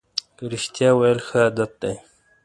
رښتیا ویل ښه عادت دی.